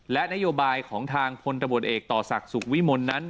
และนโยบายของทางพลตบนเอกต่อสักสุขวิมลนั้น